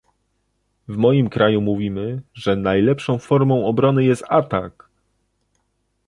W moim kraju mówimy, że najlepszą formą obrony jest atak